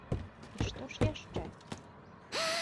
І што ж яшчэ?